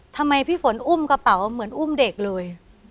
ทำไมพี่ฝนอุ้มกระเป๋าเหมือนอุ้มเด็กเลย